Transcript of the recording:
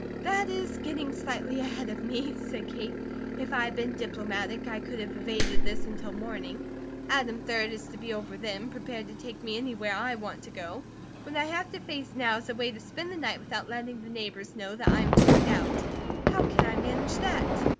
"That is getting slightly ahead of me," said Kate. "If I had been diplomatic I could have evaded this until morning. Adam, 3d, is to be over then, prepared to take me anywhere I want to go. What I have to face now is a way to spend the night without letting the neighbours know that I am turned out. How can I manage that?"